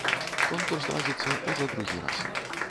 Конкурс ладзіцца ўжо другі раз.